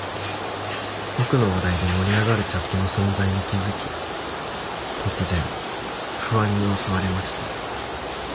「僕の話題で盛り上がるチャットの存在に気づき」「突然不安に襲われました」